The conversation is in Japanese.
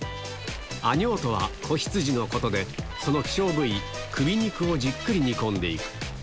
アニョーとは子羊のことで、その希少部位、首肉をじっくり煮込んでいく。